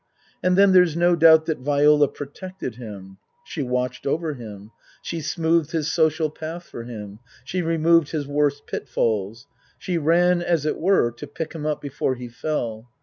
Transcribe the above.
And then there's no doubt that Viola protected him. She watched over him ; she smoothed his social path for him ; she removed his worst pitfalls ; she ran, as it were, to pick him up before he fell.